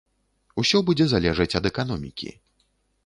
Усё будзе залежаць ад эканомікі.